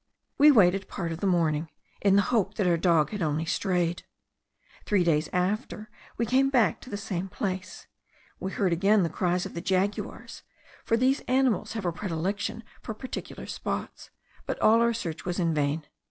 We waited part of the morning, in the hope that our dog had only strayed. Three days after we came back to the same place; we heard again the cries of the jaguars, for these animals have a predilection for particular spots; but all our search was vain.